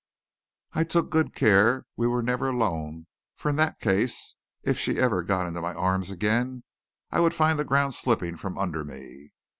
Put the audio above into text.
I took good care we were never alone, for in that case, if she ever got into my arms again I would find the ground slipping from under me.